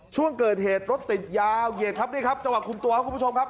ช่วงเกิดเหตุรถติดยาวเหยียดครับนี่ครับจังหวะคุมตัวครับคุณผู้ชมครับ